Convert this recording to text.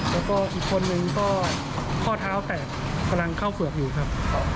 แล้วก็อีกคนนึงก็ข้อเท้าแตกกำลังเข้าเฝือกอยู่ครับ